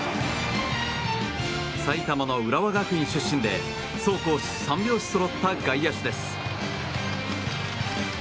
埼玉の浦和学院出身で走攻守３拍子そろった外野手です。